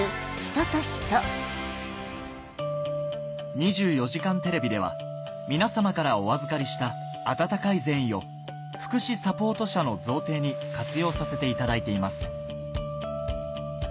『２４時間テレビ』では皆様からお預かりした温かい善意をの贈呈に活用させていただいています